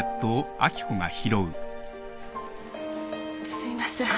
すいません。